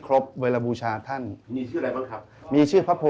ชื่องนี้ชื่องนี้ชื่องนี้ชื่องนี้